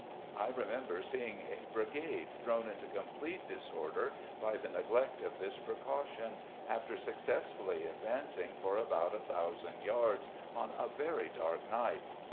I remember seeing a brigade thrown into complete disorder by the neglect of this precaution, after successfully advancing for about 1,000 yards on a very dark night.